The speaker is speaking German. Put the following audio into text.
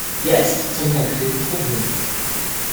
Jetzt zum konkreten Problem.